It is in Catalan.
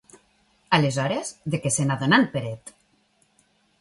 Aleshores, de què s'adonà en Peret?